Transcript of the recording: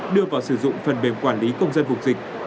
đưa vào sử dụng phần mềm quản lý công dân vùng dịch